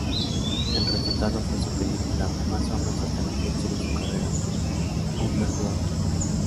El resultado fue su película más famosa hasta la fecha de su carrera: "Underworld".